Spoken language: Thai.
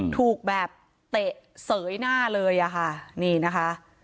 ถูกแบบเตะเสยหน้าเลยอะค่ะนี่นะคะ